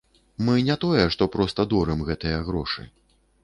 Мы не тое, што проста дорым гэтыя грошы.